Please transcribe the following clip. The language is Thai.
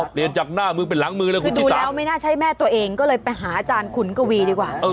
เปลี่ยนจากหน้ามือเป็นหลังมือเลยคุณดูแล้วไม่น่าใช่แม่ตัวเองก็เลยไปหาอาจารย์ขุนกวีดีกว่า